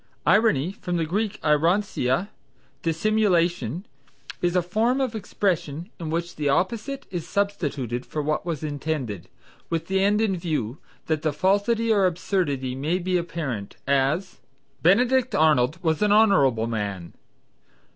Irony (from the Greek eironcia, dissimulation) is a form of expression in which the opposite is substituted for what is intended, with the end in view, that the falsity or absurdity may be apparent; as, "Benedict Arnold was an honorable man."